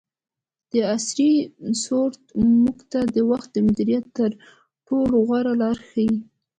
دعصري سورت موږ ته د وخت د مدیریت تر ټولو غوره لار ښیي.